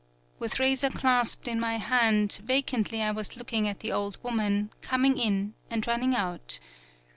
With razor clasped in my hand, vacantly I was looking at the old woman, coming in and running out.